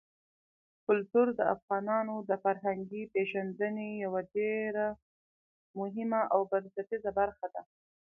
کلتور د افغانانو د فرهنګي پیژندنې یوه ډېره مهمه او بنسټیزه برخه ده.